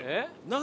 何？